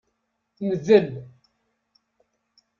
Ndel.